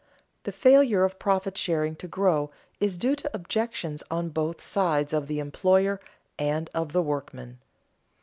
_The failure of profit sharing to grow is due to objections on the side both of the employer and of the workman.